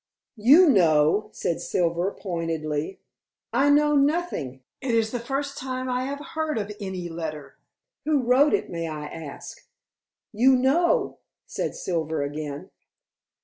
"You know," said Silver pointedly. "I know nothing. It is the first time I have heard of any letter. Who wrote it, may I ask?" "You know," said Silver again.